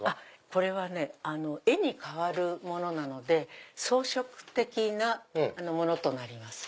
これは絵に代わるものなので装飾的なものとなります。